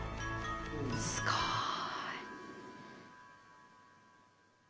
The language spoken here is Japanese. すごい。